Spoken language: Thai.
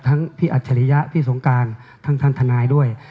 พี่อัจฉริยะพี่สงการทั้งท่านทนายด้วย